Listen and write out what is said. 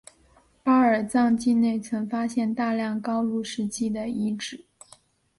巴尔藏境内曾发现大量高卢时期的遗址。